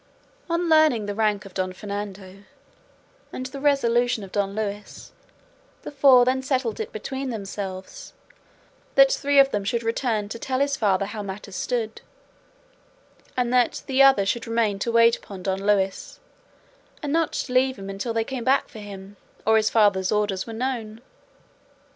On learning the rank of Don Fernando and the resolution of Don Luis the four then settled it between themselves that three of them should return to tell his father how matters stood, and that the other should remain to wait upon Don Luis, and not leave him until they came back for him, or his father's orders were known.